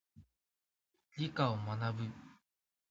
理科を学ぶ。